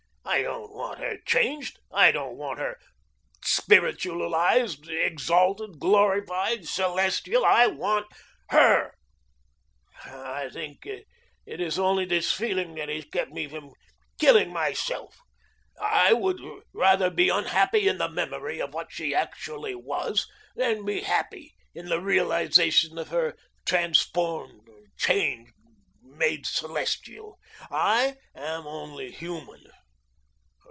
"I don't want her changed. I don't want her spiritualised, exalted, glorified, celestial. I want HER. I think it is only this feeling that has kept me from killing myself. I would rather be unhappy in the memory of what she actually was, than be happy in the realisation of her transformed, changed, made celestial. I am only human.